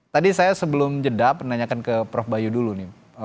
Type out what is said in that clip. tadi saya sebelum jeda penanyakan ke prof bayu dulu nih